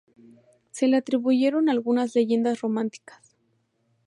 Se le atribuyeron algunas leyendas románticas.